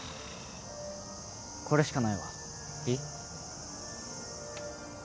これしかないわいい？